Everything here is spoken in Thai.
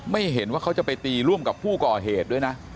ไม่เห็นว่าเขาจะไปตีร่วมกับผู้ก่อเหตุด้วยนะ